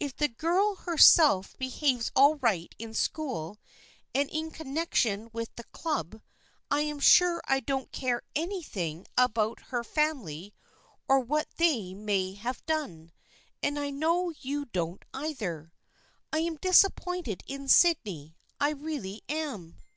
If the girl herself THE FRIENDSHIP OF ANNE 95 behaves all right in school and in connection with the Club I am sure I don't care anything about her family or what they may have done, and I know you don't either. I am disappointed in Sydney. I really am."